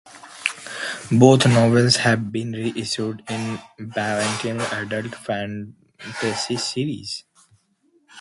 Both novels have been re-issued in the Ballantine Adult Fantasy series.